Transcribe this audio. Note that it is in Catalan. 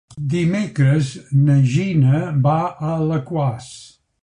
Dimecres na Gina va a Alaquàs.